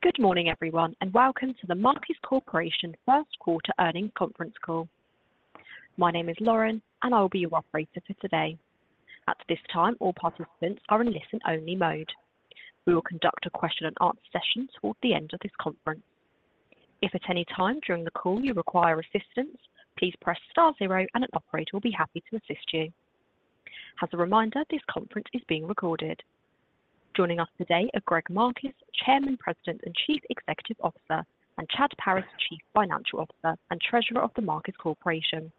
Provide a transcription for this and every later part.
Good morning, everyone, and welcome to the Marcus Corporation First Quarter Earnings Conference Call. My name is Lauren, and I will be your operator for today. At this time, all participants are in listen-only mode. We will conduct a question and answer session towards the end of this conference. If at any time during the call you require assistance, please press star zero and an operator will be happy to assist you. As a reminder, this conference is being recorded. Joining us today are Greg Marcus, Chairman, President, and Chief Executive Officer, and Chad Paris, Chief Financial Officer and Treasurer of the Marcus Corporation.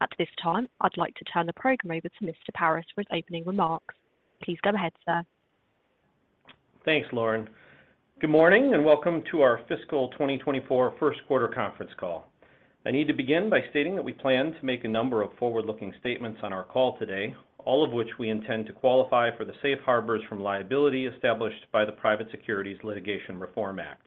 At this time, I'd like to turn the program over to Mr. Paris for his opening remarks. Please go ahead, sir. Thanks, Lauren. Good morning, and Welcome to our Fiscal 2024 First Quarter Conference Call. I need to begin by stating that we plan to make a number of forward-looking statements on our call today, all of which we intend to qualify for the safe harbors from liability established by the Private Securities Litigation Reform Act.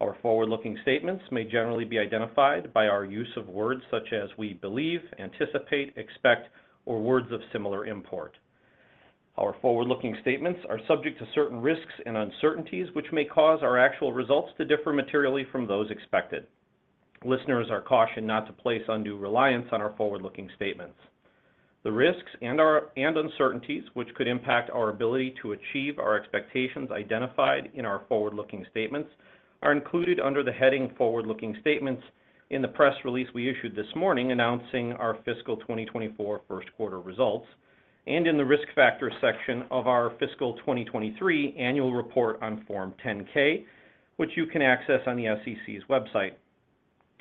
Our forward-looking statements may generally be identified by our use of words such as we believe, anticipate, expect, or words of similar import. Our forward-looking statements are subject to certain risks and uncertainties, which may cause our actual results to differ materially from those expected. Listeners are cautioned not to place undue reliance on our forward-looking statements. The risks and our uncertainties, which could impact our ability to achieve our expectations identified in our forward-looking statements, are included under the heading Forward-Looking Statements in the press release we issued this morning announcing our fiscal 2024 first quarter results, and in the Risk Factors section of our fiscal 2023 Annual Report on Form 10-K, which you can access on the SEC's website.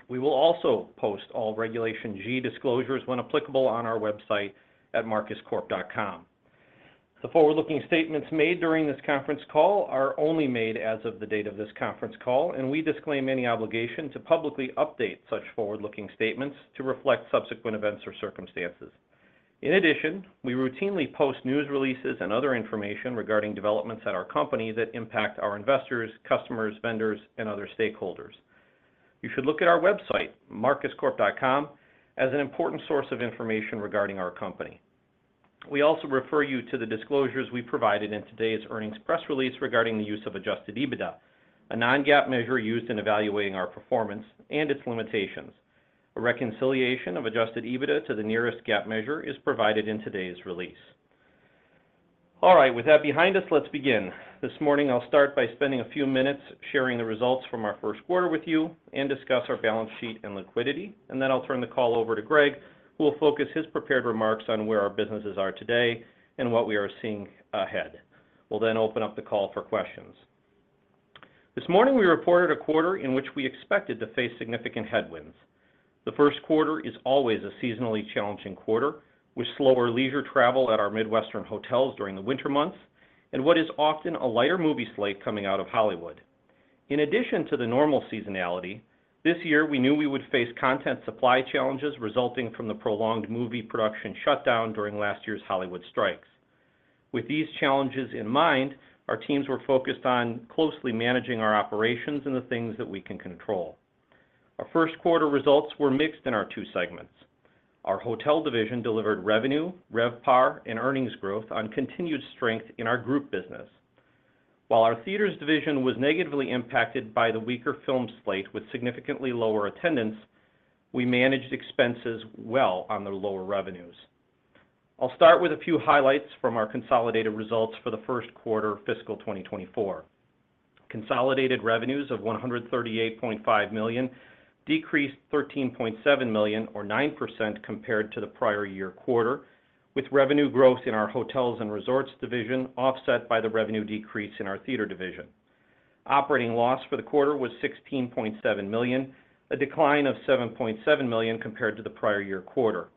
We will also post all Regulation G disclosures, when applicable, on our website at marcuscorp.com. The forward-looking statements made during this conference call are only made as of the date of this conference call, and we disclaim any obligation to publicly update such forward-looking statements to reflect subsequent events or circumstances. In addition, we routinely post news releases and other information regarding developments at our company that impact our investors, customers, vendors, and other stakeholders. You should look at our website, marcuscorp.com, as an important source of information regarding our company. We also refer you to the disclosures we provided in today's earnings press release regarding the use of Adjusted EBITDA, a non-GAAP measure used in evaluating our performance and its limitations. A reconciliation of Adjusted EBITDA to the nearest GAAP measure is provided in today's release. All right, with that behind us, let's begin. This morning, I'll start by spending a few minutes sharing the results from our first quarter with you and discuss our balance sheet and liquidity. Then I'll turn the call over to Greg, who will focus his prepared remarks on where our businesses are today and what we are seeing ahead. We'll then open up the call for questions. This morning, we reported a quarter in which we expected to face significant headwinds. The first quarter is always a seasonally challenging quarter, with slower leisure travel at our Midwestern hotels during the winter months and what is often a lighter movie slate coming out of Hollywood. In addition to the normal seasonality, this year, we knew we would face content supply challenges resulting from the prolonged movie production shutdown during last year's Hollywood strikes. With these challenges in mind, our teams were focused on closely managing our operations and the things that we can control. Our first quarter results were mixed in our two segments. Our hotel division delivered revenue, RevPAR, and earnings growth on continued strength in our group business. While our theaters division was negatively impacted by the weaker film slate with significantly lower attendance, we managed expenses well on the lower revenues. I'll start with a few highlights from our consolidated results for the first quarter of fiscal 2024. Consolidated revenues of $138.5 million decreased $13.7 million, or 9% compared to the prior year quarter, with revenue growth in our hotels and resorts division offset by the revenue decrease in our theater division. Operating loss for the quarter was $16.7 million, a decline of $7.7 million compared to the prior year quarter.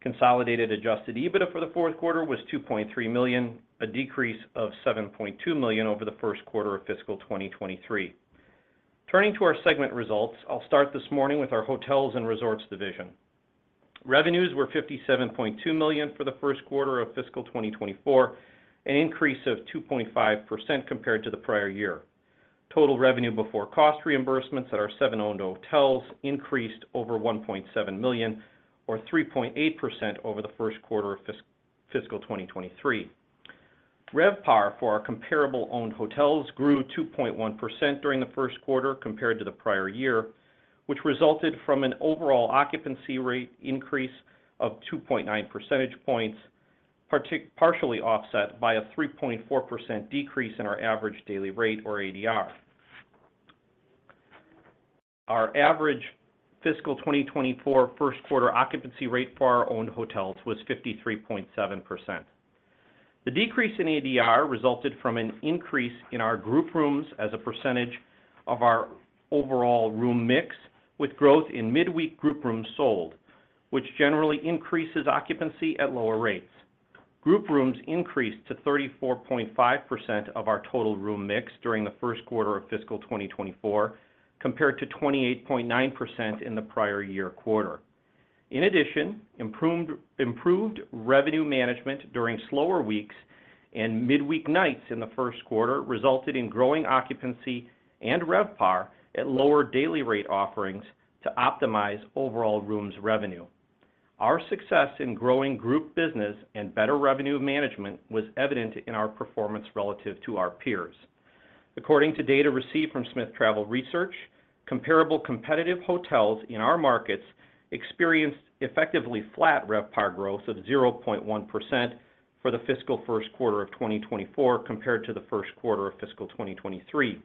Consolidated Adjusted EBITDA for the fourth quarter was $2.3 million, a decrease of $7.2 million over the first quarter of fiscal 2023. Turning to our segment results, I'll start this morning with our hotels and resorts division. Revenues were $57.2 million for the first quarter of fiscal 2024, an increase of 2.5% compared to the prior year. Total revenue before cost reimbursements at our seven owned hotels increased over $1.7 million or 3.8% over the first quarter of fiscal 2023. RevPAR for our comparable owned hotels grew 2.1% during the first quarter compared to the prior year, which resulted from an overall occupancy rate increase of 2.9 percentage points, partially offset by a 3.4% decrease in our average daily rate, or ADR. Our average fiscal 2024 first quarter occupancy rate for our owned hotels was 53.7%. The decrease in ADR resulted from an increase in our group rooms as a percentage of our overall room mix, with growth in midweek group rooms sold, which generally increases occupancy at lower rates. Group rooms increased to 34.5% of our total room mix during the first quarter of fiscal 2024, compared to 28.9% in the prior year quarter. In addition, improved revenue management during slower weeks and midweek nights in the first quarter resulted in growing occupancy and RevPAR at lower daily rate offerings to optimize overall rooms revenue. Our success in growing group business and better revenue management was evident in our performance relative to our peers. According to data received from Smith Travel Research, comparable competitive hotels in our markets experienced effectively flat RevPAR growth of 0.1% for the fiscal first quarter of 2024 compared to the first quarter of fiscal 2023,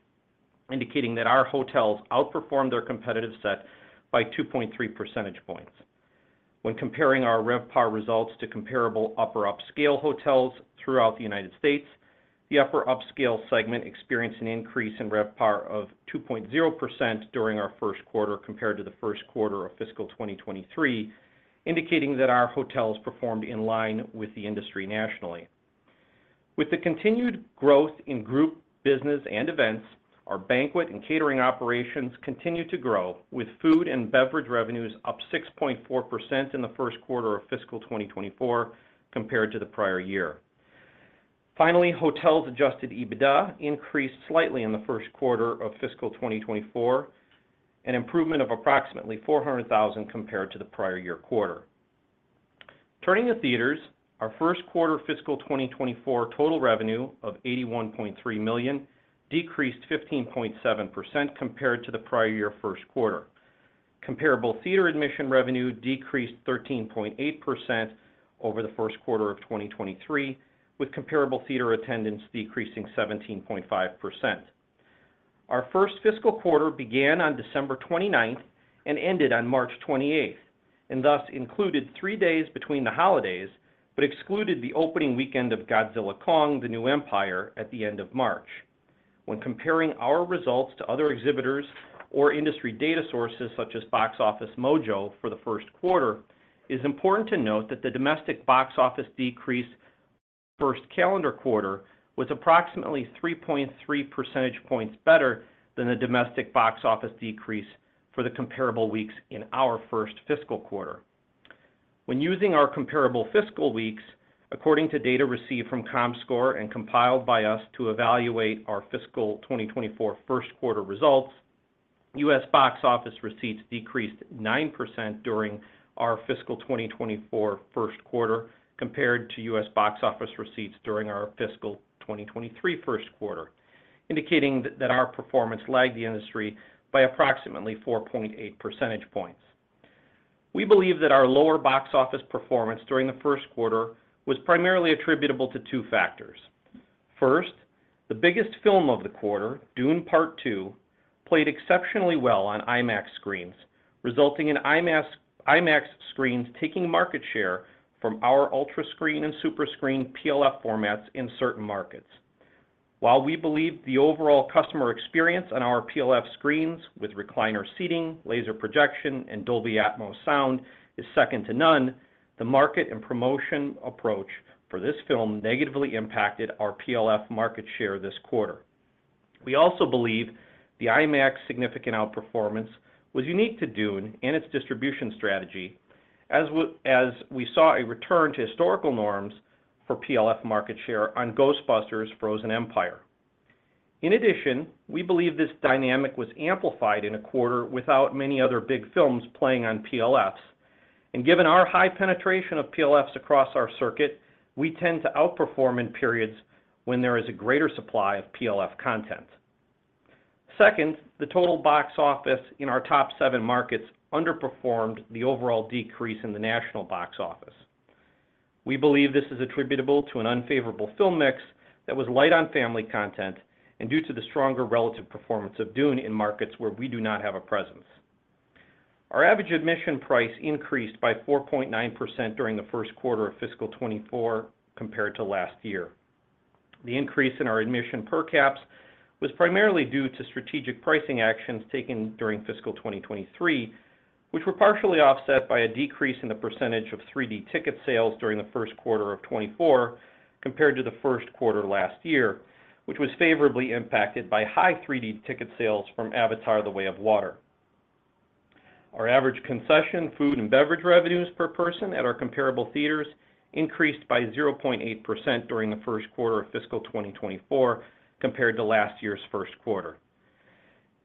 indicating that our hotels outperformed their competitive set by 2.3 percentage points. When comparing our RevPAR results to comparable upper upscale hotels throughout the United States, the upper upscale segment experienced an increase in RevPAR of 2.0% during our first quarter compared to the first quarter of fiscal 2023, indicating that our hotels performed in line with the industry nationally. With the continued growth in group business and events, our banquet and catering operations continued to grow, with food and beverage revenues up 6.4% in the first quarter of fiscal 2024 compared to the prior year. Finally, hotels adjusted EBITDA increased slightly in the first quarter of fiscal 2024, an improvement of approximately $400,000 compared to the prior year quarter. Turning to theaters, our first quarter fiscal 2024 total revenue of $81.3 million decreased 15.7% compared to the prior year first quarter. Comparable theater admission revenue decreased 13.8% over the first quarter of 2023, with comparable theater attendance decreasing 17.5%. Our first fiscal quarter began on December 29th and ended on March 28th, and thus included three days between the holidays, but excluded the opening weekend of Godzilla x Kong: The New Empire at the end of March. When comparing our results to other exhibitors or industry data sources, such as Box Office Mojo, for the first quarter, it's important to note that the domestic box office decrease first calendar quarter was approximately 3.3 percentage points better than the domestic box office decrease for the comparable weeks in our first fiscal quarter. When using our comparable fiscal weeks, according to data received from Comscore and compiled by us to evaluate our fiscal 2024 first quarter results, U.S. box office receipts decreased 9% during our fiscal 2024 first quarter compared to U.S. box office receipts during our fiscal 2023 first quarter, indicating that our performance lagged the industry by approximately 4.8 percentage points. We believe that our lower box office performance during the first quarter was primarily attributable to two factors. First, the biggest film of the quarter, Dune: Part Two, played exceptionally well on IMAX screens, resulting in IMAX screens taking market share from our UltraScreen and SuperScreen PLF formats in certain markets. While we believe the overall customer experience on our PLF screens with recliner seating, laser projection, and Dolby Atmos sound is second to none, the market and promotion approach for this film negatively impacted our PLF market share this quarter. We also believe the IMAX significant outperformance was unique to Dune and its distribution strategy, as we saw a return to historical norms for PLF market share on Ghostbusters: Frozen Empire. In addition, we believe this dynamic was amplified in a quarter without many other big films playing on PLFs. And given our high penetration of PLFs across our circuit, we tend to outperform in periods when there is a greater supply of PLF content. Second, the total box office in our top seven markets underperformed the overall decrease in the national box office. We believe this is attributable to an unfavorable film mix that was light on family content and due to the stronger relative performance of Dune in markets where we do not have a presence. Our average admission price increased by 4.9% during the first quarter of fiscal 2024 compared to last year. The increase in our admission per caps was primarily due to strategic pricing actions taken during fiscal 2023, which were partially offset by a decrease in the percentage of 3D ticket sales during the first quarter of 2024 compared to the first quarter last year, which was favorably impacted by high 3D ticket sales from Avatar: The Way of Water. Our average concession, food, and beverage revenues per person at our comparable theaters increased by 0.8% during the first quarter of fiscal 2024 compared to last year's first quarter.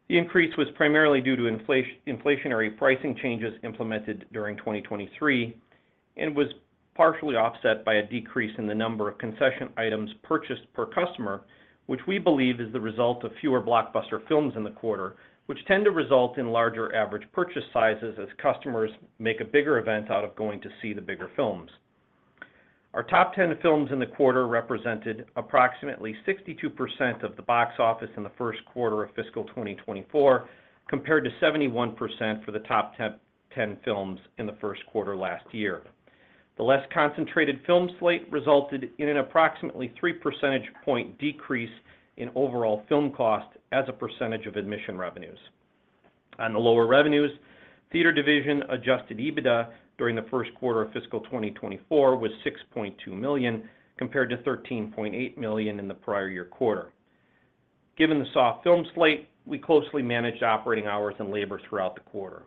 The increase was primarily due to inflationary pricing changes implemented during 2023 and was partially offset by a decrease in the number of concession items purchased per customer, which we believe is the result of fewer blockbuster films in the quarter, which tend to result in larger average purchase sizes as customers make a bigger event out of going to see the bigger films. Our top 10 films in the quarter represented approximately 62% of the box office in the first quarter of fiscal 2024, compared to 71% for the top 10 films in the first quarter last year. The less concentrated film slate resulted in an approximately three percentage point decrease in overall film cost as a percentage of admission revenues. On the lower revenues, theater division adjusted EBITDA during the first quarter of fiscal 2024 was $6.2 million, compared to $13.8 million in the prior year quarter. Given the soft film slate, we closely managed operating hours and labor throughout the quarter.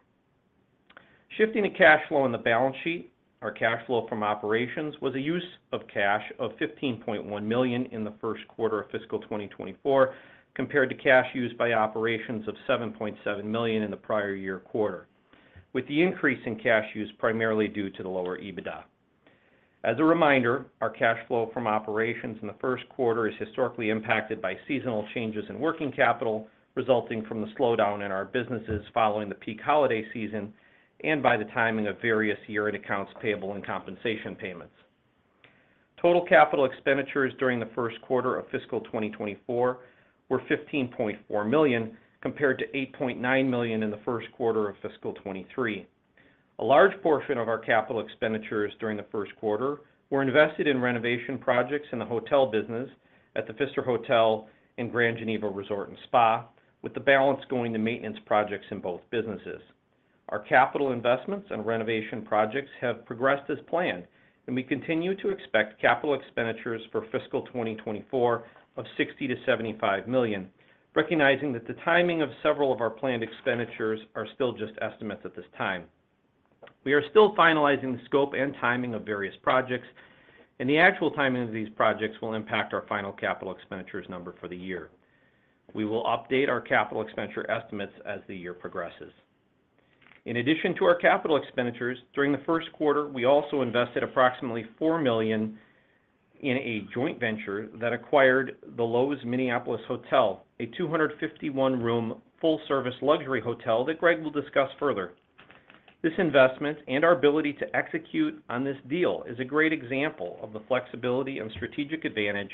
Shifting to cash flow on the balance sheet, our cash flow from operations was a use of cash of $15.1 million in the first quarter of fiscal 2024, compared to cash used by operations of $7.7 million in the prior year quarter, with the increase in cash use primarily due to the lower EBITDA. As a reminder, our cash flow from operations in the first quarter is historically impacted by seasonal changes in working capital, resulting from the slowdown in our businesses following the peak holiday season and by the timing of various year-end accounts payable and compensation payments. Total capital expenditures during the first quarter of fiscal 2024 were $15.4 million, compared to $8.9 million in the first quarter of fiscal 2023. A large portion of our capital expenditures during the first quarter were invested in renovation projects in the hotel business at The Pfister Hotel in Grand Geneva Resort and Spa, with the balance going to maintenance projects in both businesses. Our capital investments and renovation projects have progressed as planned, and we continue to expect capital expenditures for fiscal 2024 of $60 million-$75 million, recognizing that the timing of several of our planned expenditures are still just estimates at this time. We are still finalizing the scope and timing of various projects, and the actual timing of these projects will impact our final capital expenditures number for the year. We will update our capital expenditure estimates as the year progresses. In addition to our capital expenditures, during the first quarter, we also invested approximately $4 million in a joint venture that acquired the Loews Minneapolis Hotel, a 251-room, full-service luxury hotel that Greg will discuss further. This investment and our ability to execute on this deal is a great example of the flexibility and strategic advantage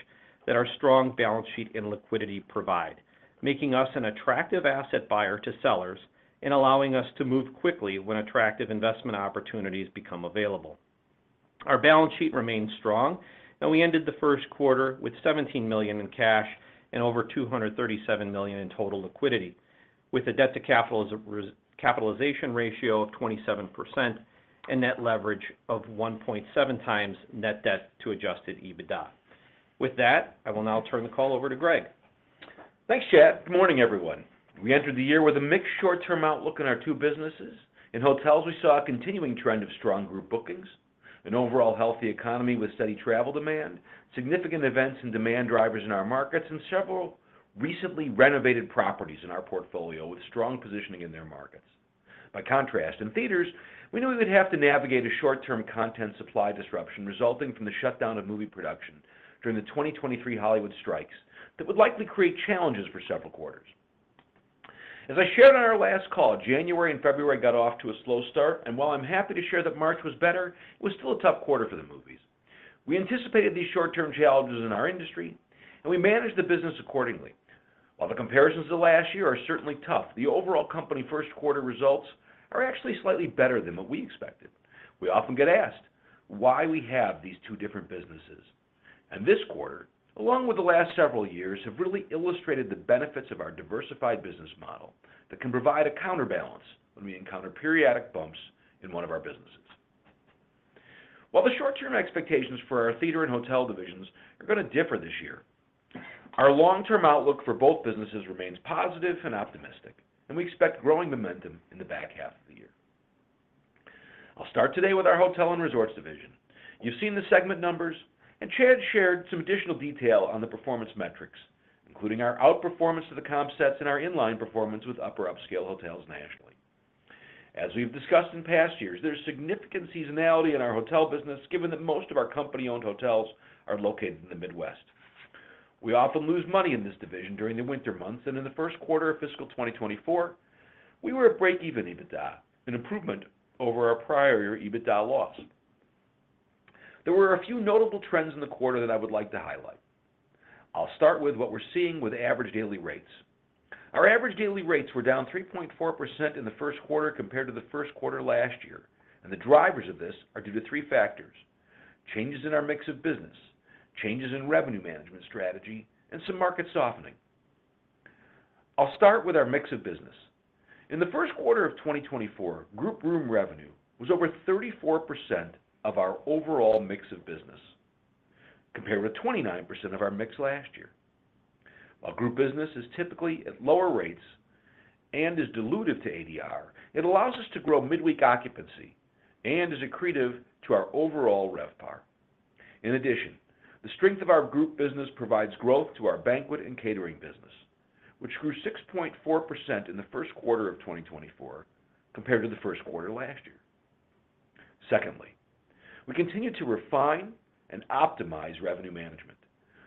that our strong balance sheet and liquidity provide, making us an attractive asset buyer to sellers and allowing us to move quickly when attractive investment opportunities become available. Our balance sheet remains strong, and we ended the first quarter with $17 million in cash and over $237 million in total liquidity, with a debt to capitalization ratio of 27% and net leverage of 1.7x net debt to Adjusted EBITDA. With that, I will now turn the call over to Greg. Thanks, Chad. Good morning, everyone. We entered the year with a mixed short-term outlook in our two businesses. In hotels, we saw a continuing trend of strong group bookings, an overall healthy economy with steady travel demand, significant events and demand drivers in our markets, and several recently renovated properties in our portfolio with strong positioning in their markets. By contrast, in theaters, we knew we would have to navigate a short-term content supply disruption resulting from the shutdown of movie production during the 2023 Hollywood strikes that would likely create challenges for several quarters. As I shared on our last call, January and February got off to a slow start, and while I'm happy to share that March was better, it was still a tough quarter for the movies. We anticipated these short-term challenges in our industry, and we managed the business accordingly. While the comparisons to last year are certainly tough, the overall company first quarter results are actually slightly better than what we expected. We often get asked, why we have these two different businesses? This quarter, along with the last several years, have really illustrated the benefits of our diversified business model that can provide a counterbalance when we encounter periodic bumps in one of our businesses. While the short-term expectations for our theater and hotel divisions are gonna differ this year, our long-term outlook for both businesses remains positive and optimistic, and we expect growing momentum in the back half of the year. I'll start today with our hotel and resorts division. You've seen the segment numbers, and Chad shared some additional detail on the performance metrics, including our outperformance of the comp sets and our in-line performance with upper upscale hotels nationally. As we've discussed in past years, there's significant seasonality in our hotel business, given that most of our company-owned hotels are located in the Midwest. We often lose money in this division during the winter months, and in the first quarter of fiscal 2024, we were at break-even EBITDA, an improvement over our prior year EBITDA loss. There were a few notable trends in the quarter that I would like to highlight. I'll start with what we're seeing with average daily rates. Our average daily rates were down 3.4% in the first quarter compared to the first quarter last year, and the drivers of this are due to three factors: changes in our mix of business, changes in revenue management strategy, and some market softening. I'll start with our mix of business. In the first quarter of 2024, group room revenue was over 34% of our overall mix of business, compared with 29% of our mix last year. While group business is typically at lower rates and is dilutive to ADR, it allows us to grow midweek occupancy and is accretive to our overall RevPAR. In addition, the strength of our group business provides growth to our banquet and catering business, which grew 6.4% in the first quarter of 2024 compared to the first quarter last year. Secondly, we continued to refine and optimize revenue management.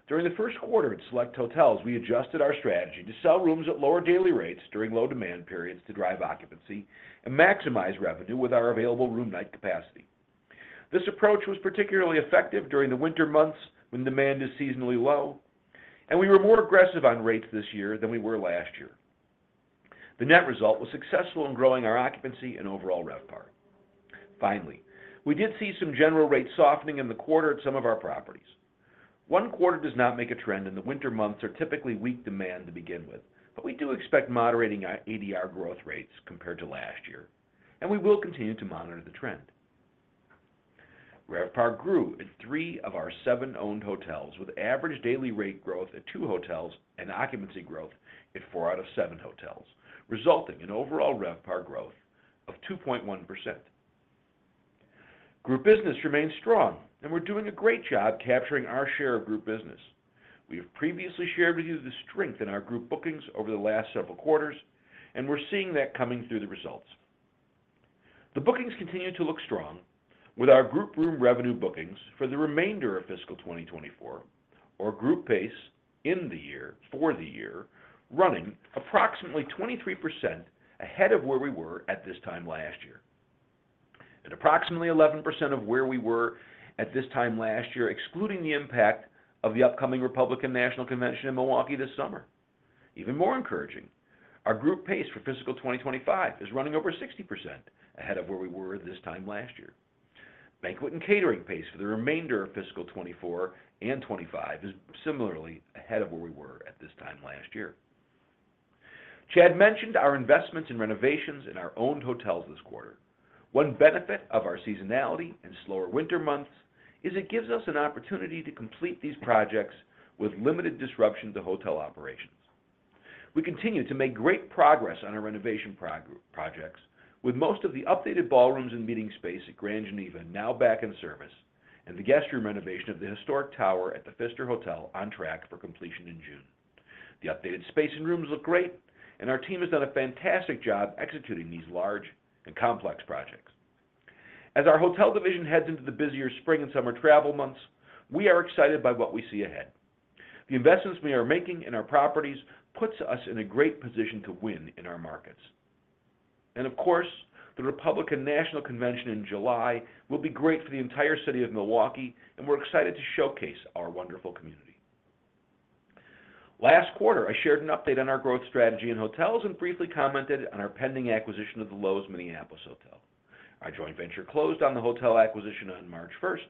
During the first quarter at select hotels, we adjusted our strategy to sell rooms at lower daily rates during low demand periods to drive occupancy and maximize revenue with our available room night capacity. This approach was particularly effective during the winter months when demand is seasonally low, and we were more aggressive on rates this year than we were last year. The net result was successful in growing our occupancy and overall RevPAR. Finally, we did see some general rate softening in the quarter at some of our properties. One quarter does not make a trend, and the winter months are typically weak demand to begin with, but we do expect moderating our ADR growth rates compared to last year, and we will continue to monitor the trend. RevPAR grew in three of our seven owned hotels, with average daily rate growth at two hotels and occupancy growth at four out of seven hotels, resulting in overall RevPAR growth of 2.1%. Group business remains strong, and we're doing a great job capturing our share of group business. We have previously shared with you the strength in our group bookings over the last several quarters, and we're seeing that coming through the results. The bookings continue to look strong, with our group room revenue bookings for the remainder of fiscal 2024, or group pace for the year, running approximately 23% ahead of where we were at this time last year. Approximately 11% ahead of where we were at this time last year, excluding the impact of the upcoming Republican National Convention in Milwaukee this summer. Even more encouraging, our group pace for fiscal 2025 is running over 60% ahead of where we were this time last year. Banquet and catering pace for the remainder of fiscal 2024 and 2025 is similarly ahead of where we were at this time last year. Chad mentioned our investments in renovations in our owned hotels this quarter. One benefit of our seasonality and slower winter months is it gives us an opportunity to complete these projects with limited disruption to hotel operations. We continue to make great progress on our renovation projects, with most of the updated ballrooms and meeting space at Grand Geneva now back in service, and the guest room renovation of the historic tower at the Pfister Hotel on track for completion in June. The updated space and rooms look great, and our team has done a fantastic job executing these large and complex projects. As our hotel division heads into the busier spring and summer travel months, we are excited by what we see ahead. The investments we are making in our properties puts us in a great position to win in our markets. Of course, the Republican National Convention in July will be great for the entire city of Milwaukee, and we're excited to showcase our wonderful community. Last quarter, I shared an update on our growth strategy in hotels and briefly commented on our pending acquisition of the Loews Minneapolis Hotel. Our joint venture closed on the hotel acquisition on March 1st,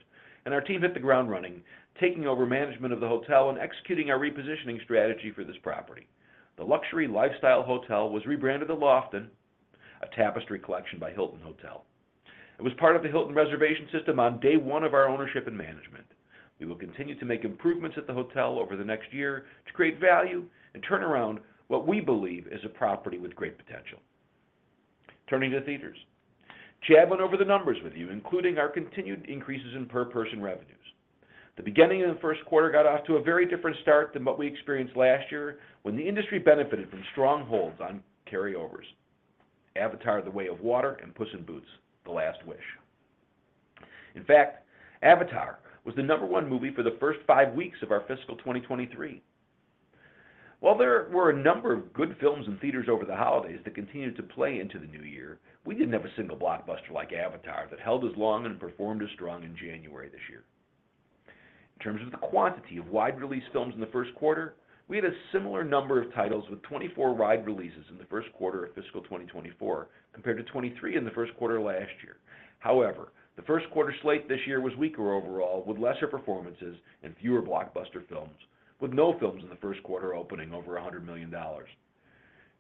and our team hit the ground running, taking over management of the hotel and executing our repositioning strategy for this property. The luxury lifestyle hotel was rebranded The Lofton, a Tapestry Collection by Hilton hotel. It was part of the Hilton reservation system on day one of our ownership and management. We will continue to make improvements at the hotel over the next year to create value and turn around what we believe is a property with great potential. Turning to theaters. Chad went over the numbers with you, including our continued increases in per-person revenues. The beginning of the first quarter got off to a very different start than what we experienced last year, when the industry benefited from strong holds on carryovers: Avatar: The Way of Water and Puss in Boots: The Last Wish. In fact, Avatar was the number one movie for the first five weeks of our fiscal 2023. While there were a number of good films in theaters over the holidays that continued to play into the new year, we didn't have a single blockbuster like Avatar that held as long and performed as strong in January this year. In terms of the quantity of wide-release films in the first quarter, we had a similar number of titles with 24 wide releases in the first quarter of fiscal 2024, compared to 23 in the first quarter of last year. However, the first quarter slate this year was weaker overall, with lesser performances and fewer blockbuster films, with no films in the first quarter opening over $100 million.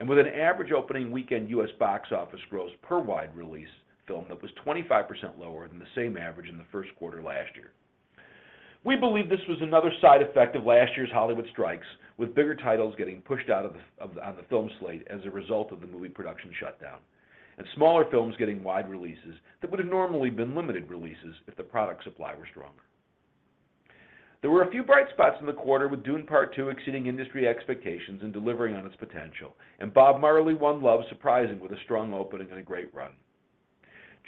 With an average opening weekend U.S. box office gross per wide-release film that was 25% lower than the same average in the first quarter last year. We believe this was another side effect of last year's Hollywood strikes, with bigger titles getting pushed out of the film slate as a result of the movie production shutdown, and smaller films getting wide releases that would have normally been limited releases if the product supply were stronger. There were a few bright spots in the quarter, with Dune: Part Two exceeding industry expectations and delivering on its potential, and Bob Marley: One Love surprising with a strong opening and a great run.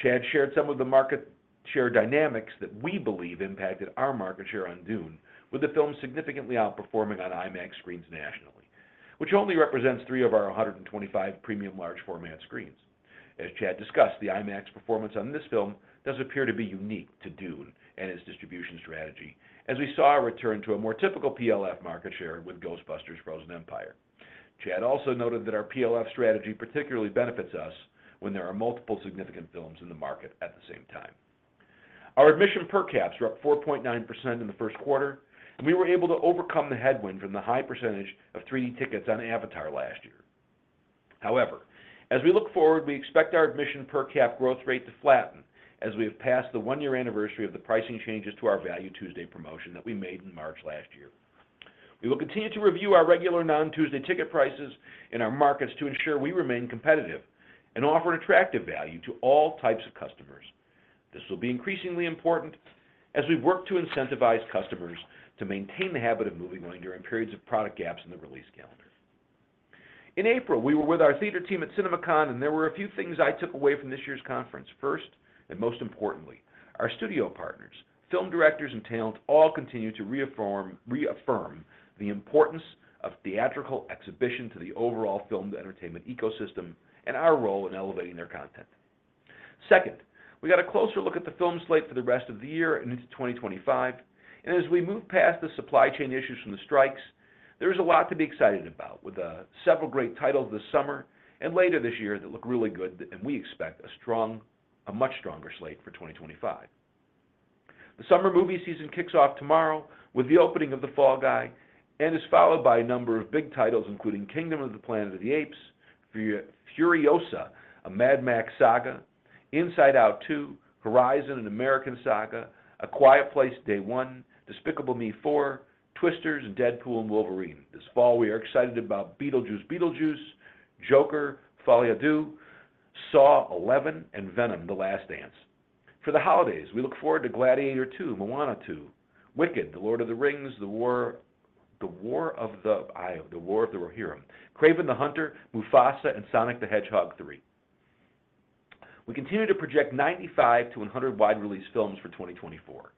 Chad shared some of the market share dynamics that we believe impacted our market share on Dune, with the film significantly outperforming on IMAX screens nationally, which only represents three of our 125 premium large format screens. As Chad discussed, the IMAX performance on this film does appear to be unique to Dune and its distribution strategy, as we saw a return to a more typical PLF market share with Ghostbusters: Frozen Empire. Chad also noted that our PLF strategy particularly benefits us when there are multiple significant films in the market at the same time. Our admission per caps were up 4.9% in the first quarter, and we were able to overcome the headwind from the high percentage of 3D tickets on Avatar last year. However, as we look forward, we expect our admission per cap growth rate to flatten as we have passed the one-year anniversary of the pricing changes to our Value Tuesday promotion that we made in March last year. We will continue to review our regular non-Tuesday ticket prices in our markets to ensure we remain competitive and offer an attractive value to all types of customers. This will be increasingly important as we work to incentivize customers to maintain the habit of moviegoing during periods of product gaps in the release calendar. In April, we were with our theater team at CinemaCon, and there were a few things I took away from this year's conference. First, and most importantly, our studio partners, film directors, and talent all continued to reaffirm, reaffirm the importance of theatrical exhibition to the overall filmed entertainment ecosystem and our role in elevating their content. Second, we got a closer look at the film slate for the rest of the year and into 2025, and as we move past the supply chain issues from the strikes, there is a lot to be excited about, with several great titles this summer and later this year that look really good, and we expect a strong, a much stronger slate for 2025. The summer movie season kicks off tomorrow with the opening of The Fall Guy and is followed by a number of big titles, including Kingdom of the Planet of the Apes, Furiosa: A Mad Max Saga, Inside Out 2, Horizon: An American Saga, A Quiet Place: Day One, Despicable Me 4, Twisters, and Deadpool & Wolverine. This fall, we are excited about Beetlejuice Beetlejuice, Joker: Folie à Deux, Saw XI, and Venom: The Last Dance. For the holidays, we look forward to Gladiator II, Moana 2, Wicked, The Lord of the Rings: The War of the Rohirrim, Kraven the Hunter, Mufasa, and Sonic the Hedgehog 3. We continue to project 95-100 wide-release films for 2024.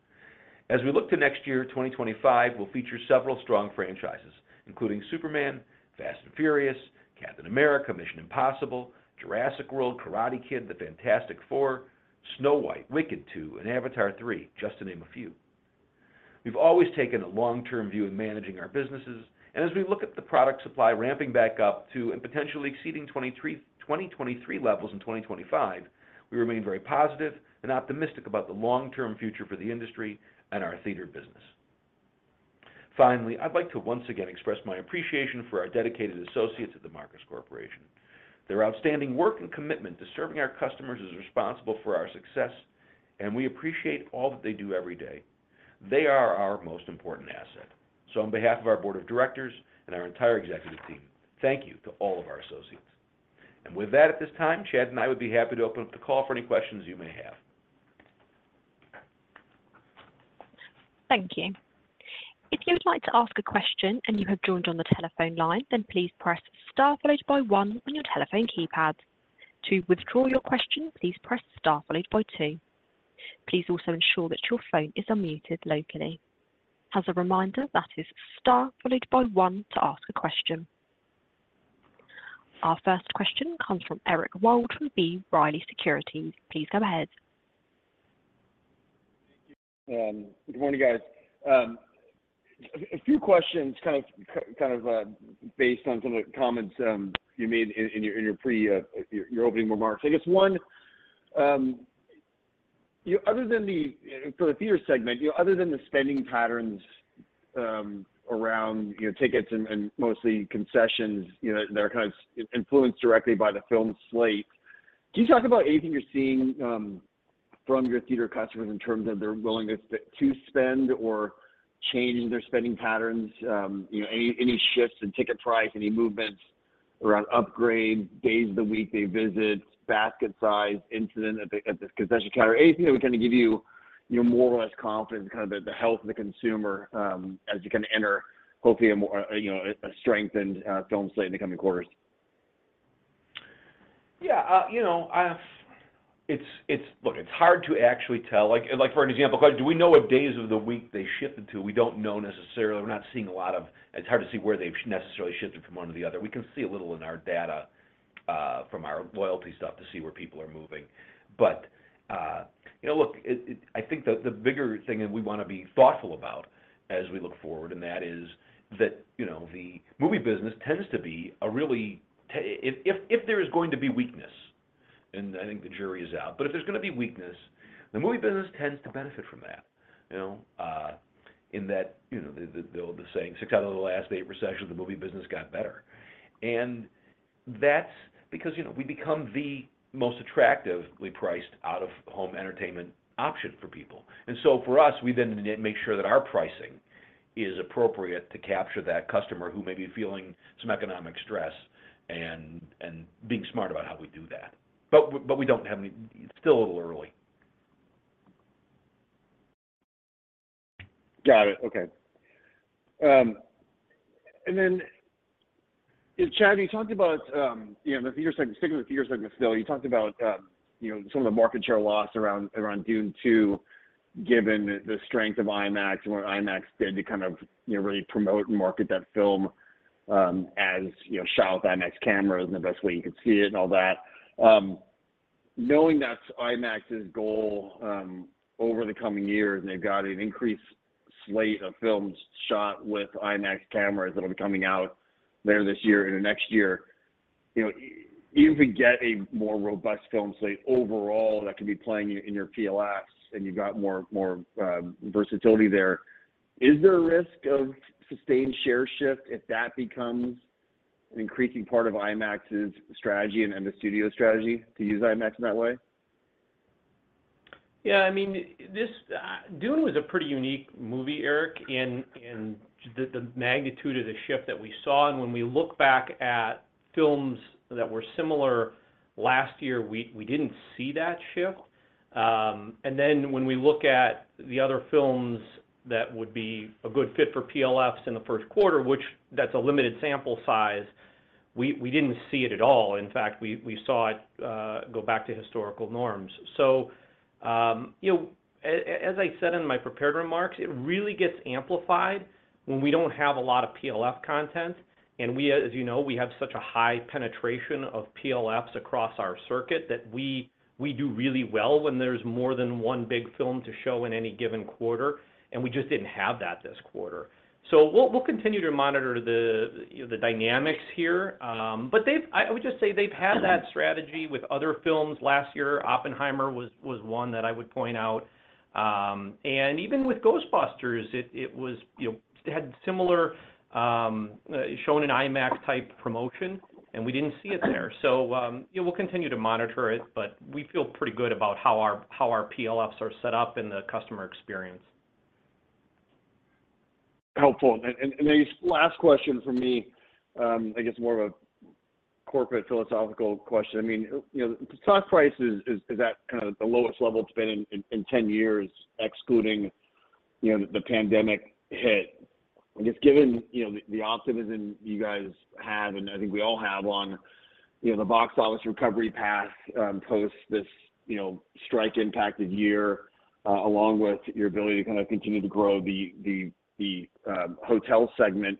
As we look to next year, 2025 will feature several strong franchises, including Superman, Fast & Furious, Captain America, Mission Impossible, Jurassic World, Karate Kid, The Fantastic Four, Snow White, Wicked Two, and Avatar 3, just to name a few. We've always taken a long-term view in managing our businesses, and as we look at the product supply ramping back up to, and potentially exceeding 2023 levels in 2025, we remain very positive and optimistic about the long-term future for the industry and our theater business. Finally, I'd like to once again express my appreciation for our dedicated associates at The Marcus Corporation. Their outstanding work and commitment to serving our customers is responsible for our success, and we appreciate all that they do every day. They are our most important asset. So on behalf of our board of directors and our entire executive team, thank you to all of our associates. And with that, at this time, Chad and I would be happy to open up the call for any questions you may have. Thank you. If you would like to ask a question and you have joined on the telephone line, then please press star followed by one on your telephone keypad. To withdraw your question, please press star followed by two. Please also ensure that your phone is unmuted locally. As a reminder, that is star followed by one to ask a question. Our first question comes from Eric Wold from B. Riley Securities. Please go ahead. Good morning, guys. A few questions kind of based on some of the comments you made in your prepared opening remarks. I guess one, you know, other than for the theater segment, you know, other than the spending patterns around, you know, tickets and mostly concessions, you know, they're kind of influenced directly by the film slate. Can you talk about anything you're seeing from your theater customers in terms of their willingness to spend or change their spending patterns? You know, any shifts in ticket price, any movements around upgrades, days of the week they visit, basket size, incident at the concession counter, anything that would kind of give you you're more or less confident in kind of the health of the consumer, as you kind of enter, hopefully, a more, you know, a strengthened film slate in the coming quarters? Yeah, you know, it's hard to actually tell. Look, it's hard to actually tell. Like, for an example, do we know what days of the week they shifted to? We don't know necessarily. We're not seeing a lot of... It's hard to see where they've necessarily shifted from one to the other. We can see a little in our data from our loyalty stuff to see where people are moving. But, you know, look, it - I think the bigger thing that we want to be thoughtful about as we look forward, and that is that, you know, the movie business tends to be a really - if there is going to be weakness, and I think the jury is out, but if there's going to be weakness, the movie business tends to benefit from that, you know? In that, you know, the saying, six out of the last eight recessions, the movie business got better. And that's because, you know, we become the most attractively priced out-of-home entertainment option for people. And so for us, we then make sure that our pricing is appropriate to capture that customer who may be feeling some economic stress and, and being smart about how we do that. But we don't have any, it's still a little early. Got it. Okay. And then, Chad, you talked about, you know, the theater segment. Sticking with the theater segment still, you talked about, you know, some of the market share loss around Dune Two, given the strength of IMAX and what IMAX did to kind of, you know, really promote and market that film, as, you know, shot with IMAX cameras and the best way you could see it and all that. Knowing that's IMAX's goal, over the coming years, and they've got an increased slate of films shot with IMAX cameras that'll be coming out later this year and the next year, you know, even if we get a more robust film slate overall that can be playing in your PLFs, and you've got more versatility there, is there a risk of sustained share shift if that becomes an increasing part of IMAX's strategy and the studio's strategy to use IMAX in that way? Yeah, I mean, this Dune was a pretty unique movie, Eric, in the magnitude of the shift that we saw. When we look back at films that were similar last year, we didn't see that shift. Then when we look at the other films that would be a good fit for PLFs in the first quarter, which that's a limited sample size, we didn't see it at all. In fact, we saw it go back to historical norms. So, you know, as I said in my prepared remarks, it really gets amplified when we don't have a lot of PLF content, and we, as you know, we have such a high penetration of PLFs across our circuit that we, we do really well when there's more than one big film to show in any given quarter, and we just didn't have that this quarter. So we'll, we'll continue to monitor the, you know, the dynamics here. But I would just say they've had that strategy with other films last year. Oppenheimer was one that I would point out. And even with Ghostbusters, it, it was, you know, had similar shown in IMAX type promotion, and we didn't see it there. So, yeah, we'll continue to monitor it, but we feel pretty good about how our PLFs are set up and the customer experience. Helpful. Last question from me, I guess more of a corporate philosophical question. I mean, you know, the stock price is at kind of the lowest level it's been in 10 years, excluding, you know, the pandemic hit. I guess, given, you know, the optimism you guys have, and I think we all have on, you know, the box office recovery path, post this, you know, strike-impacted year, along with your ability to kind of continue to grow the hotel segment,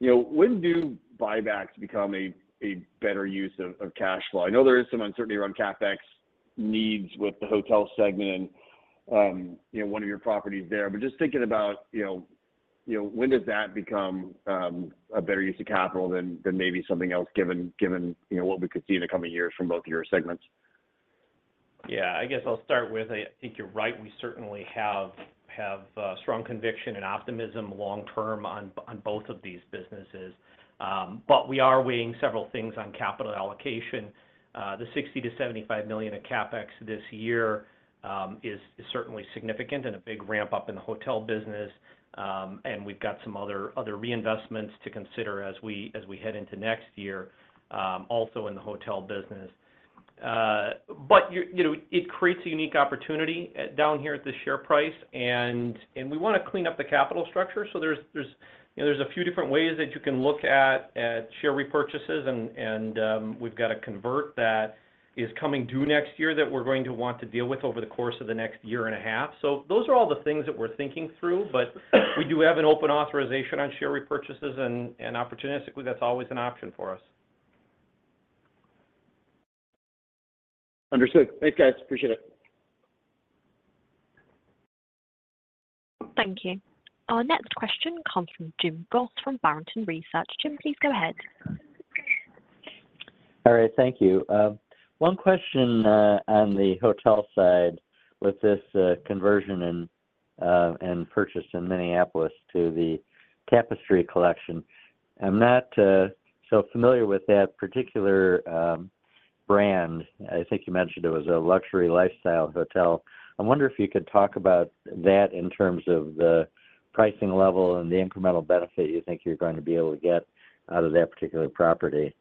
you know, when do buybacks become a better use of cash flow? I know there is some uncertainty around CapEx needs with the hotel segment and, you know, one of your properties there. But just thinking about, you know, when does that become a better use of capital than maybe something else, given you know, what we could see in the coming years from both of your segments? Yeah, I guess I'll start with, I think you're right. We certainly have strong conviction and optimism long term on both of these businesses. But we are weighing several things on capital allocation. The $60 million-$75 million in CapEx this year is certainly significant and a big ramp-up in the hotel business. And we've got some other reinvestments to consider as we head into next year, also in the hotel business. But you know, it creates a unique opportunity down here at the share price, and we wanna clean up the capital structure. So there's you know there's a few different ways that you can look at share repurchases, and we've got a convert that is coming due next year that we're going to want to deal with over the course of the next year and a half. So those are all the things that we're thinking through, but we do have an open authorization on share repurchases, and opportunistically, that's always an option for us. Understood. Thanks, guys. Appreciate it. Thank you. Our next question comes from Jim Goss from Barrington Research. Jim, please go ahead. All right. Thank you. One question on the hotel side with this conversion and purchase in Minneapolis to the Tapestry Collection. I'm not so familiar with that particular brand. I think you mentioned it was a luxury lifestyle hotel. I wonder if you could talk about that in terms of the pricing level and the incremental benefit you think you're going to be able to get out of that particular property.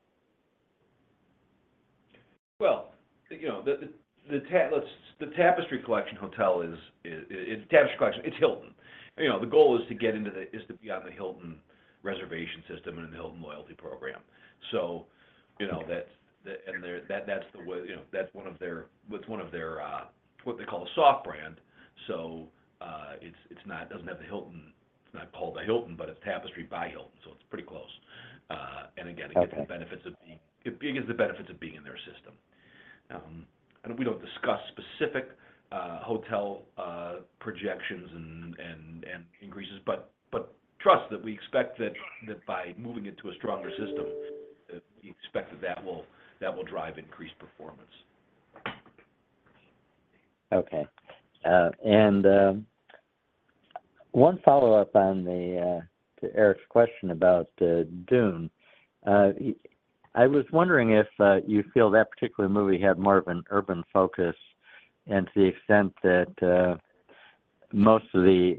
Well, you know, the Tapestry Collection Hotel is Tapestry Collection, it's Hilton. You know, the goal is to be on the Hilton reservation system and the Hilton loyalty program. So, you know, that's the way. You know, that's one of their, it's one of their, what they call a soft brand. So, it's not, doesn't have the Hilton. It's not called the Hilton, but it's Tapestry by Hilton, so it's pretty close. And again- Okay... it gets the benefits of being in their system. We don't discuss specific hotel projections and increases, but trust that we expect that by moving into a stronger system, we expect that that will drive increased performance. Okay. And one follow-up on the to Eric's question about Dune. I was wondering if you feel that particular movie had more of an urban focus, and to the extent that most of the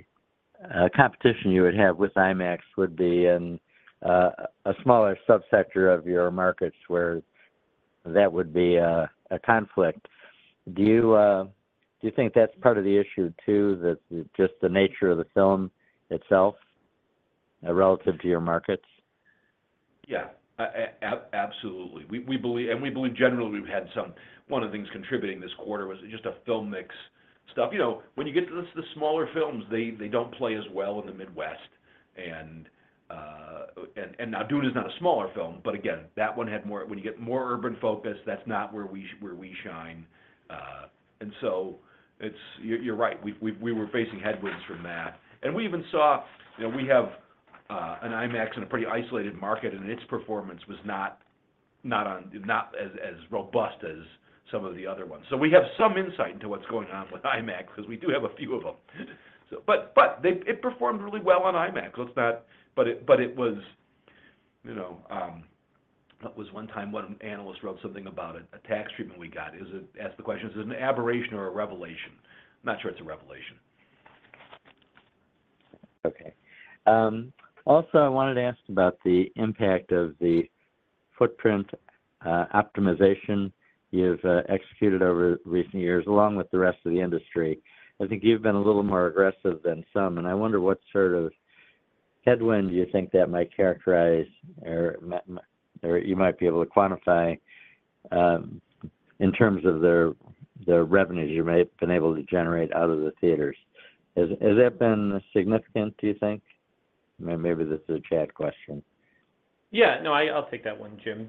competition you would have with IMAX would be in a smaller sub sector of your markets, where that would be a conflict. Do you think that's part of the issue, too, that just the nature of the film itself relative to your markets? Yeah. Absolutely. We believe, and we believe generally, we've had some... One of the things contributing this quarter was just a film mix stuff. You know, when you get to the smaller films, they don't play as well in the Midwest. And now, Dune is not a smaller film, but again, that one had more—when you get more urban focus, that's not where we shine. And so it's... You're right. We were facing headwinds from that. And we even saw, you know, we have an IMAX in a pretty isolated market, and its performance was not as robust as some of the other ones. So we have some insight into what's going on with IMAX because we do have a few of them. So, but they... It performed really well on IMAX. So it's not... But it, but it was, you know, what was one time one analyst wrote something about it, a tax treatment we got. Asked the question: "Is it an aberration or a revelation?" I'm not sure it's a revelation. Okay. Also, I wanted to ask about the impact of the footprint optimization you've executed over recent years, along with the rest of the industry. I think you've been a little more aggressive than some, and I wonder what sort of headwind you think that might characterize or you might be able to quantify, in terms of the revenues you might have been able to generate out of the theaters. Has that been significant, do you think? Maybe this is a Chad question. Yeah. No, I, I'll take that one, Jim.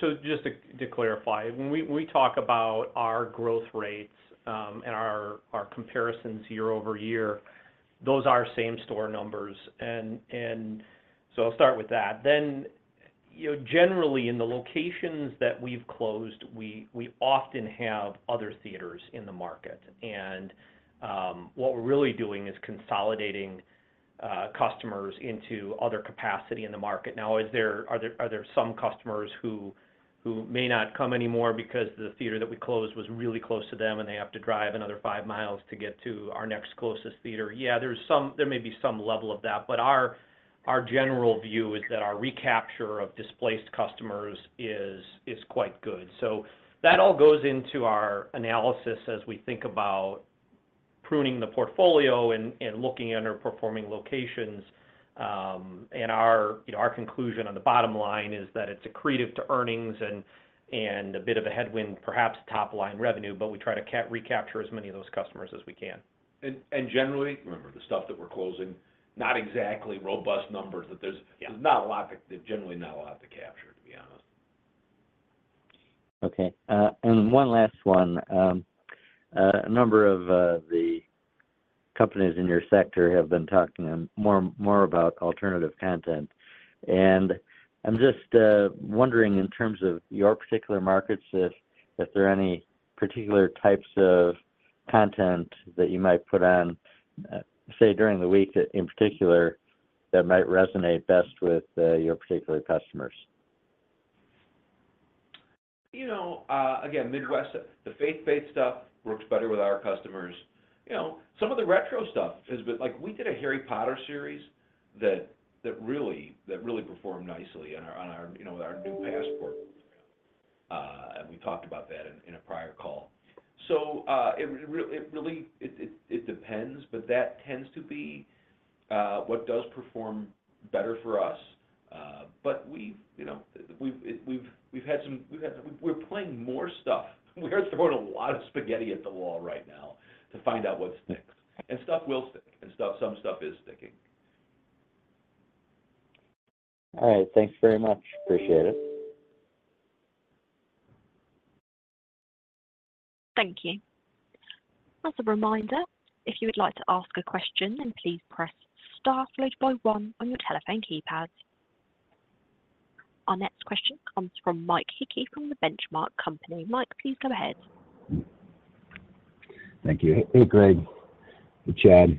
So just to clarify, when we talk about our growth rates, and our comparisons year-over-year, those are same store numbers, and so I'll start with that. Then, you know, generally, in the locations that we've closed, we often have other theaters in the market, and what we're really doing is consolidating customers into other capacity in the market. Now, are there some customers who may not come anymore because the theater that we closed was really close to them, and they have to drive another five miles to get to our next closest theater? Yeah, there may be some level of that, but our general view is that our recapture of displaced customers is quite good. So that all goes into our analysis as we think about pruning the portfolio and looking at underperforming locations. And our, you know, our conclusion on the bottom line is that it's accretive to earnings and a bit of a headwind, perhaps top-line revenue, but we try to cap- recapture as many of those customers as we can. And generally, remember, the stuff that we're closing, not exactly robust numbers, but there's- Yeah... there's generally not a lot to capture, to be honest. Okay, and one last one. A number of the companies in your sector have been talking more, more about alternative content. And I'm just wondering, in terms of your particular markets, if there are any particular types of content that you might put on, say, during the week that, in particular, might resonate best with your particular customers? You know, again, Midwest, the faith-based stuff works better with our customers. You know, some of the retro stuff has been... Like, we did a Harry Potter series that really performed nicely on our you know with our new passport program, and we talked about that in a prior call. So, it really depends, but that tends to be what does perform better for us. But we've, you know, we've had some. We're playing more stuff. We're throwing a lot of spaghetti at the wall right now to find out what sticks. And stuff will stick, and some stuff is sticking. All right. Thanks very much. Appreciate it. Thank you. As a reminder, if you would like to ask a question, then please press star followed by one on your telephone keypad. Our next question comes from Mike Hickey from The Benchmark Company. Mike, please go ahead. Thank you. Hey, Greg. Hey, Chad.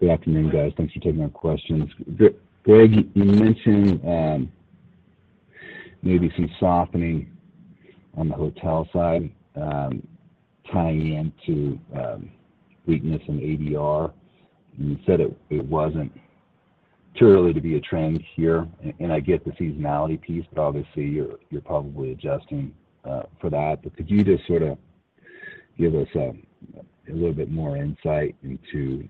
Good afternoon, guys. Thanks for taking our questions. Greg, you mentioned maybe some softening on the hotel side tying into weakness in ADR, and you said it wasn't too early to be a trend here. And I get the seasonality piece, but obviously, you're probably adjusting for that. But could you just sorta give us a little bit more insight into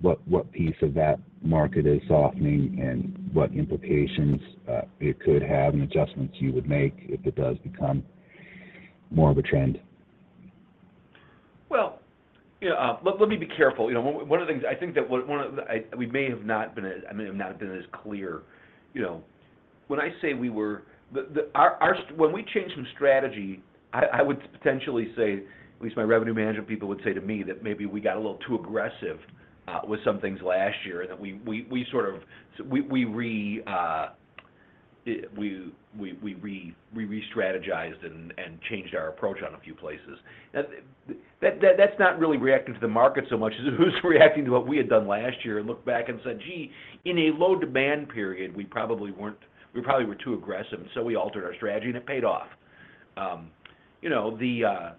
what piece of that market is softening and what implications it could have and adjustments you would make if it does become more of a trend? Well, yeah, let me be careful. You know, one of the things, I think that one of the... we may have not been as clear. You know, when I say we were, when we changed some strategy, I would potentially say, at least my revenue management people would say to me, that maybe we got a little too aggressive with some things last year, and that we sort of re-strategized and changed our approach on a few places. Now, that's not really reacting to the market so much as it was reacting to what we had done last year and looked back and said, "Gee, in a low-demand period, we probably were too aggressive." So we altered our strategy, and it paid off. You know, the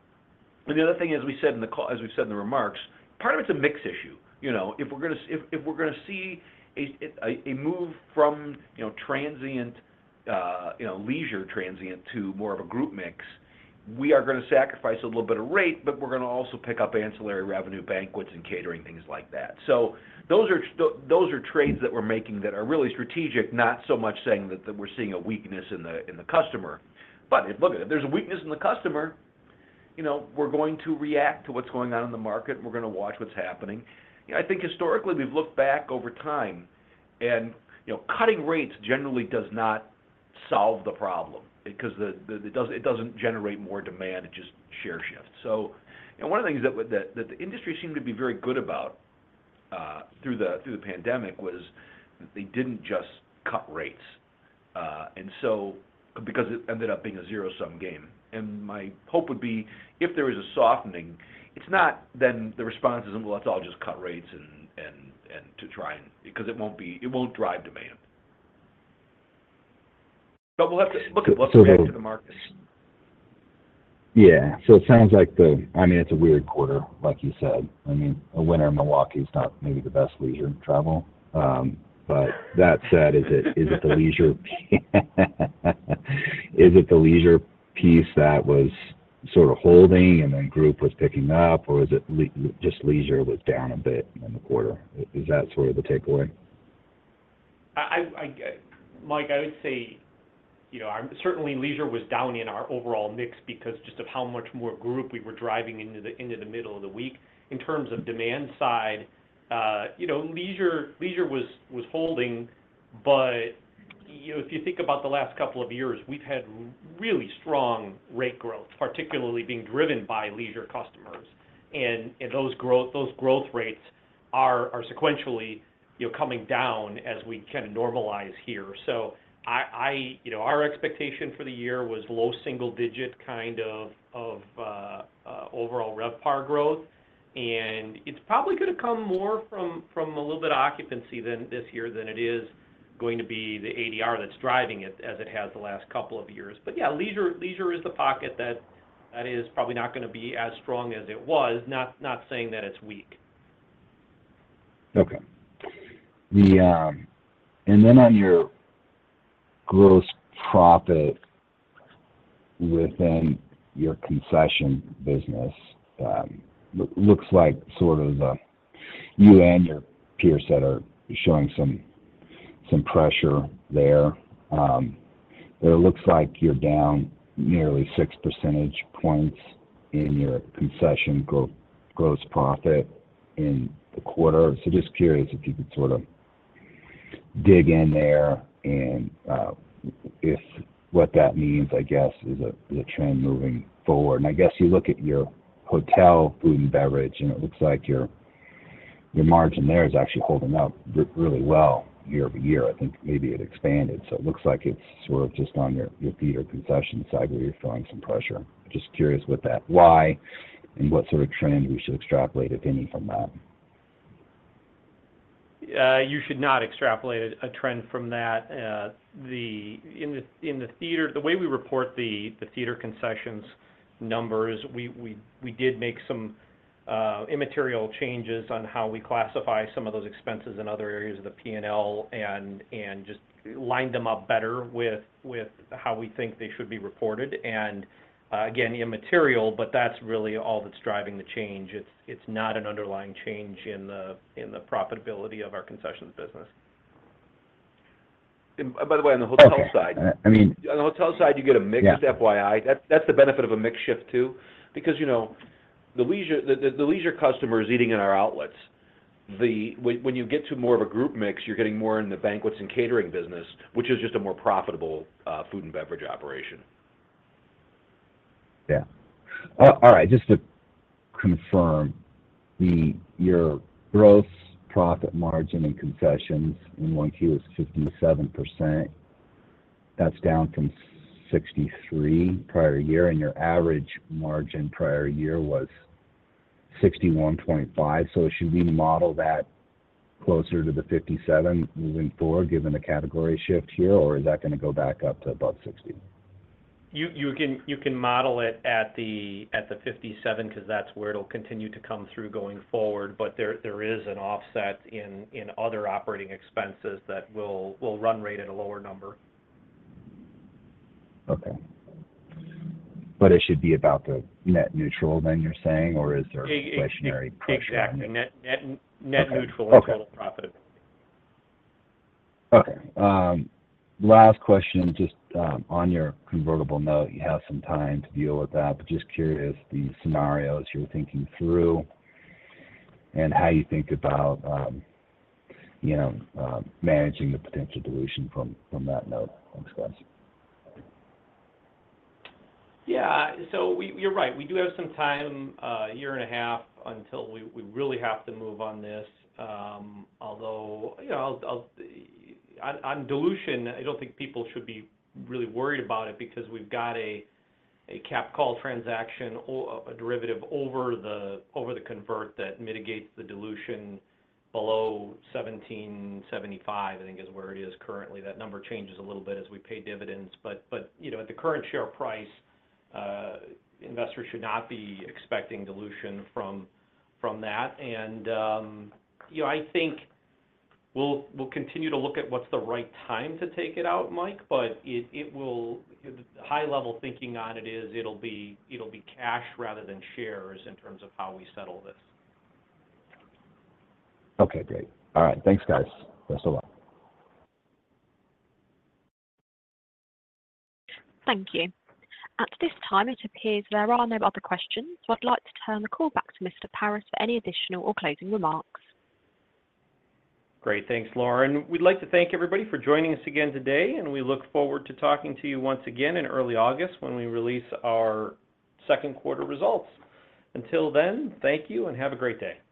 other thing is, we said in the call, as we've said in the remarks, part of it's a mix issue. You know, if we're gonna see a move from, you know, transient, you know, leisure transient to more of a group mix, we are gonna sacrifice a little bit of rate, but we're gonna also pick up ancillary revenue, banquets and catering, things like that. So those are still, those are trades that we're making that are really strategic, not so much saying that, that we're seeing a weakness in the, in the customer. But if, look, if there's a weakness in the customer, you know, we're going to react to what's going on in the market, and we're gonna watch what's happening. You know, I think historically, we've looked back over time, and, you know, cutting rates generally does not solve the problem because the, the, it doesn't, it doesn't generate more demand, it just share shifts. So, and one of the things that would, that, that the industry seemed to be very good about, through the, through the pandemic was they didn't just cut rates. And so because it ended up being a zero-sum game. And my hope would be, if there is a softening, it's not, then the response isn't, "Well, let's all just cut rates," and to try and... Because it won't be, it won't drive demand. But we'll have to... Look, let's wait to the markets. Yeah. So it sounds like, I mean, it's a weird quarter, like you said. I mean, a winter in Milwaukee is not maybe the best leisure travel. But that said, is it the leisure piece that was sort of holding, and then group was picking up, or is it just leisure was down a bit in the quarter? Is that sort of the takeaway? Mike, I would say, you know, certainly leisure was down in our overall mix because just of how much more group we were driving into the middle of the week. In terms of demand side, you know, leisure was holding, but, you know, if you think about the last couple of years, we've had really strong rate growth, particularly being driven by leisure customers. And those growth rates are sequentially, you know, coming down as we kind of normalize here. So, you know, our expectation for the year was low single digit, kind of, overall RevPAR growth and it's probably gonna come more from a little bit of occupancy than this year than it is going to be the ADR that's driving it, as it has the last couple of years. But yeah, leisure, leisure is the pocket that, that is probably not gonna be as strong as it was. Not, not saying that it's weak. Okay. And then on your gross profit within your concession business, looks like sort of you and your peers that are showing some pressure there. But it looks like you're down nearly six percentage points in your concession gross profit in the quarter. So just curious if you could sort of dig in there, and if what that means, I guess, is a trend moving forward. And I guess you look at your hotel food and beverage, and it looks like your margin there is actually holding up really well year-over-year. I think maybe it expanded. So it looks like it's sort of just on your theater concession side, where you're feeling some pressure. Just curious what that, why, and what sort of trend we should extrapolate, if any, from that? You should not extrapolate a trend from that. In the theater, the way we report the theater concessions numbers, we did make some immaterial changes on how we classify some of those expenses in other areas of the P&L and just lined them up better with how we think they should be reported. Again, immaterial, but that's really all that's driving the change. It's not an underlying change in the profitability of our concessions business. By the way, on the hotel side- Okay, I mean- On the hotel side, you get a mix- Yeah... FYI. That's the benefit of a mix shift, too. Because, you know, the leisure customer is eating in our outlets. When you get to more of a group mix, you're getting more in the banquets and catering business, which is just a more profitable food and beverage operation. Yeah. All right, just to confirm, your gross profit margin in concessions in Q1 was 57%. That's down from 63% prior year, and your average margin prior year was 61.5%. So should we model that closer to the 57% moving forward, given the category shift here, or is that gonna go back up to above 60%? You can model it at the 57%, 'cause that's where it'll continue to come through going forward, but there is an offset in other operating expenses that will run rate at a lower number. Okay. But it should be about the net neutral then, you're saying? Or is there inflationary pressure? Exactly. Net, net, net neutral. Okay... in total profit. Okay. Last question, just on your convertible note, you have some time to deal with that, but just curious the scenarios you're thinking through and how you think about, you know, managing the potential dilution from that note? Thanks, guys. Yeah. So you're right, we do have some time, a year and a half, until we really have to move on this. Although, you know, on dilution, I don't think people should be really worried about it, because we've got a capped call transaction, a derivative over the convert that mitigates the dilution below $17.75, I think is where it is currently. That number changes a little bit as we pay dividends, but you know, at the current share price, investors should not be expecting dilution from that. You know, I think we'll continue to look at what's the right time to take it out, Mike, but the high level thinking on it is, it'll be cash rather than shares in terms of how we settle this. Okay, great. All right. Thanks, guys. Thanks a lot. Thank you. At this time, it appears there are no other questions, so I'd like to turn the call back to Mr. Paris for any additional or closing remarks. Great. Thanks, Lauren. We'd like to thank everybody for joining us again today, and we look forward to talking to you once again in early August, when we release our second quarter results. Until then, thank you, and have a great day.